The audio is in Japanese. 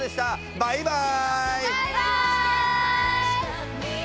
バイバーイ！